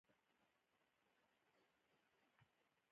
د افغانستان قیماق چای مشهور دی